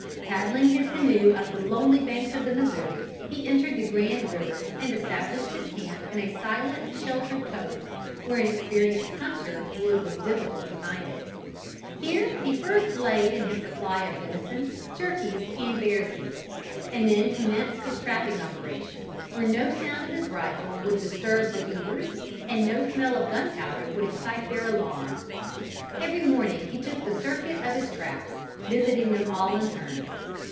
Paddling his canoe up the lonely banks of the Missouri, he entered the Grand River, and established his camp in a silent sheltered cove, where an experienced hunter would with difficulty find it. Here he first laid in his supply of venison, turkeys, and bear's meat, and then commenced his trapping operation, where no sound of his rifle would disturb the beavers and no smell of gunpowder would excite their alarm. Every morning he took the circuit of his traps, visiting them all in turn.